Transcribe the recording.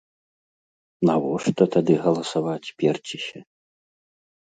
Навошта тады галасаваць перціся?